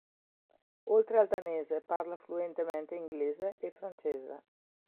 Oltre al danese, parla fluentemente inglese e francese.